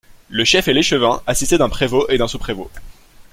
Le chef est l'échevin, assisté d'un prévôt et d'un sous-prévôt.